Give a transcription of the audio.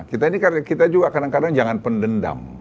kita juga kadang kadang jangan pendendam